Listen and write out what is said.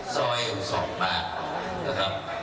ซ้อยของสองบาทนะครับ